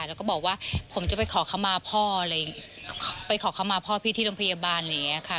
แล้วก็บอกว่าผมจะไปขอขมาพ่อพี่ที่โรงพยาบาลอะไรอย่างนี้ค่ะ